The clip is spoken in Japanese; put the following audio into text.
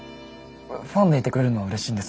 ファンでいてくれるのはうれしいんです。